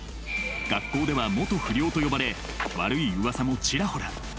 学校では「元不良」と呼ばれ悪いうわさもちらほら。